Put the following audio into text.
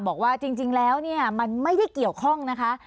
บอกว่าจริงแล้วเนี่ยมันไม่ได้เกี่ยวข้องนะคะ